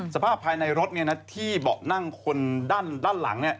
สภาพภายในรถที่เบาะนั่งคนด้านหลัง